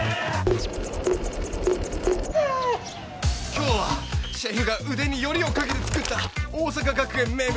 今日はシェフが腕によりをかけて作った桜咲学園名物